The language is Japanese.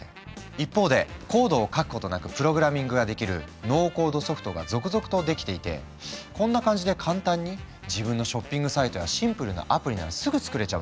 一方でコードを書くことなくプログラミングができる「ノーコードソフト」が続々と出来ていてこんな感じで簡単に自分のショッピングサイトやシンプルなアプリならすぐ作れちゃうんだって。